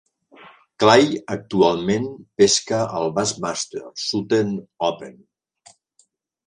Clay actualment pesca al Bassmaster Southern Open.